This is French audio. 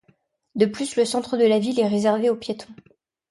De plus, le centre de la ville est réservé aux piétons.